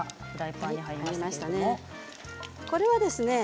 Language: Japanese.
これはですね